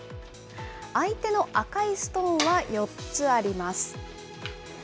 相手の赤いストーンは４つあります。